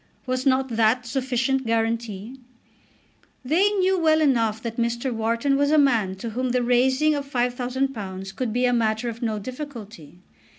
Was not that sufficient guarantee? They knew well enough that Mr. Wharton was a man to whom the raising of £5000 could be a matter of no difficulty.